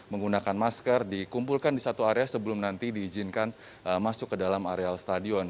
menggunakan masker dikumpulkan di satu area sebelum nanti diizinkan masuk ke dalam areal stadion